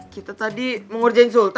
kita tadi mengurjain sultan